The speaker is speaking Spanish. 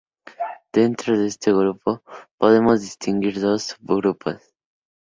Dentro de este grupo podemos distinguir dos subgrupos.